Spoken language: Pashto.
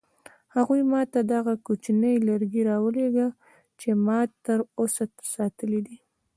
هغوی ما ته دغه کوچنی لرګی راولېږه چې ما تر اوسه ساتلی دی.